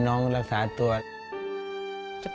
พ่อลูกรู้สึกปวดหัวมาก